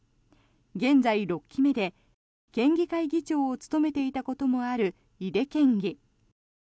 現在、６期目で県議会議長を務めていたこともある井手県議。